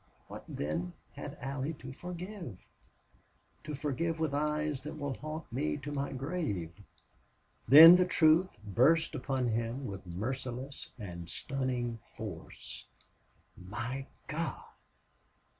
What, then, had Allie to forgive to forgive with eyes that will haunt me to my grave?" Then the truth burst upon him with merciless and stunning force. "My God!